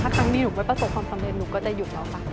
ครั้งนี้หนูไม่ประสบความสำเร็จหนูก็จะหยุดแล้วค่ะ